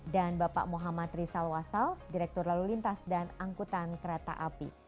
dan bapak muhammad rizal wasal direktur lalu lintas dan angkutan kereta api